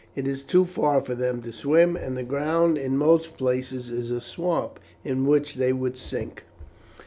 "It is too far for them to swim, and the ground in most places is a swamp, in which they would sink."